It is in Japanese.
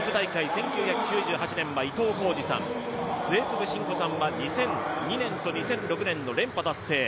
１９９８年は伊東浩司さん末續世代さんは２００２年と２００６年の連覇達成。